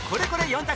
４択